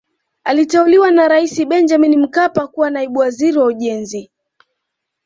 aliteuliwa na raisi benjamin mkapa kuwa naibu waziri wa ujenzi